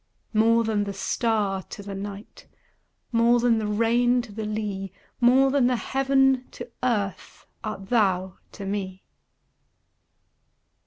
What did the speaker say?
More than the star to the night, More than the rain to the lea, More than heaven to earth Art thou to me.